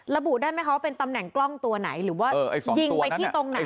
ระบุได้ไหมคะว่าเป็นตำแหน่งกล้องตัวไหนหรือว่ายิงไปที่ตรงไหน